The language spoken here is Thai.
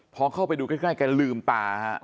พอเข้าไปดูใกล้แกลืมตาฮะ